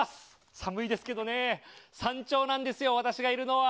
寒いですけどねえ、山頂なんですよ、私がいるのは。